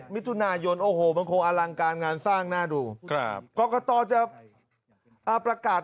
มิถุนายนโอ้โหมันคงอลังการงานสร้างน่าดูครับกรกตจะประกาศ